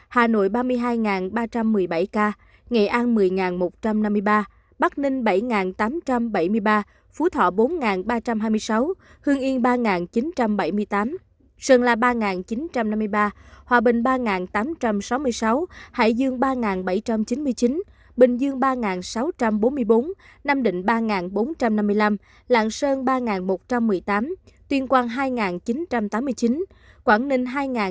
hà nội ba mươi hai ba trăm một mươi bảy ca nghệ an một mươi một trăm năm mươi ba bắc ninh bảy tám trăm bảy mươi ba phú thọ bốn ba trăm hai mươi sáu hương yên ba chín trăm bảy mươi tám sơn lạ ba chín trăm năm mươi ba hòa bình ba tám trăm sáu mươi sáu hải dương ba bảy trăm chín mươi chín bình dương ba sáu trăm bốn mươi bốn nam định ba bốn trăm năm mươi năm lạng sơn ba một trăm một mươi tám tuyên quang hai chín trăm tám mươi chín quảng ninh hai chín trăm một mươi năm